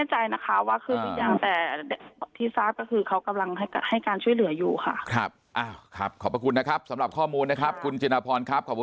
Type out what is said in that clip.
หนูไม่แน่ใจนะคะว่าคืออย่างแต่ที่ทราบก็คือ